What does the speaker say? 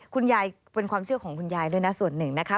คุณยายเป็นความเชื่อของคุณยายด้วยนะส่วนหนึ่งนะคะ